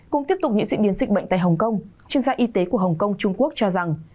cùng tiếp tục những diễn biến dịch bệnh tại hồng kông chuyên gia y tế của hồng kông trung quốc cho rằng